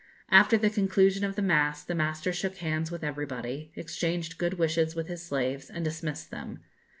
After the conclusion of the mass the master shook hands with everybody, exchanged good wishes with his slaves, and dismissed them.